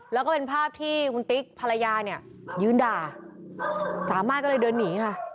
แล้วก็เป็นภาพที่คุณติ๊กภรรยาเนี่ยยืนด่าสามารถก็เลยเดินหนีค่ะ